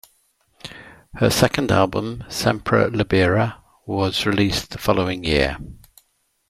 Her second album, "Sempre Libera", was released the following year.